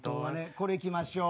これいきましょう。